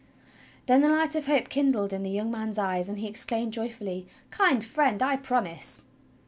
Then the light of hope kindled in the young man's eyes, and he exclaimed joyfully: "Kind Friend, I promise!"